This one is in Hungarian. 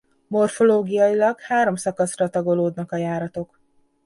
Morfológiailag három szakaszra tagolódnak a járatok.